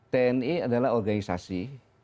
tni adalah organisasi